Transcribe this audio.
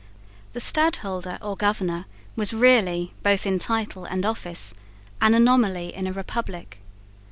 The Stadholder or governor was really, both in title and office, an anomaly in a republic.